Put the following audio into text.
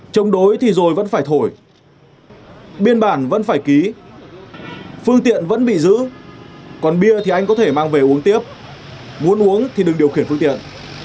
chống đối thì rồi vẫn phải thổi biên bản vẫn phải ký phương tiện vẫn bị giữ còn bia thì anh có thể mang về uống tiếp muốn uống thì đừng điều khiển phương tiện